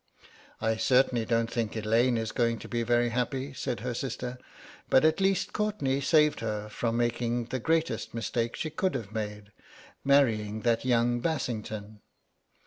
"I certainly don't think Elaine is going to be very happy," said her sister, "but at least Courtenay saved her from making the greatest mistake she could have made—marrying that young Bassington."